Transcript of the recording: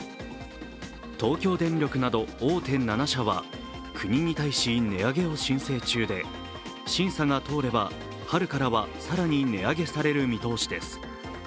東京電力など大手７社は国に対し値上げを申請中で審査が通れば、春からは更に値上げされる見通しです。